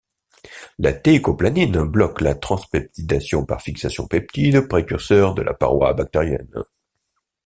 La teicoplanine bloque la transpeptidation par fixation aux peptides précurseurs de la paroi bactérienne.